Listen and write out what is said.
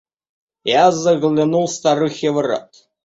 Я заглянул старухе в рот.